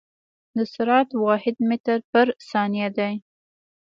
د سرعت واحد متر پر ثانیه دی.